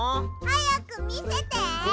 はやくみせて。